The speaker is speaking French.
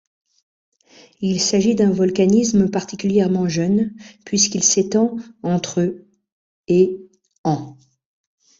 Il s'agit d'un volcanisme particulièrement jeune puisqu'il s'étend entre et ans.